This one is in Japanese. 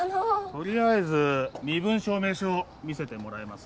とりあえず身分証明書見せてもらえます？